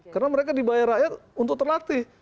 karena mereka dibayar rakyat untuk terlatih